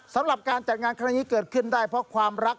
สำหรับการจัดงานครั้งนี้เกิดขึ้นได้เพราะความรัก